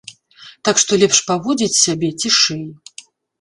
Так што лепш паводзіць сябе цішэй.